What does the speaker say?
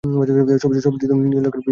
সবজে নীল রঙের বিভিন্ন মাত্রা রয়েছে।